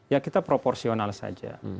ya kita proporsional saja